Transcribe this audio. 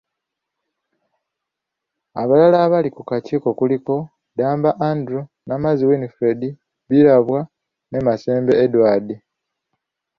Abalala abali ku kakiiko kuliko; Ddamba Andrew, Namazzi Windfred Birabwa ne Masembe Edward.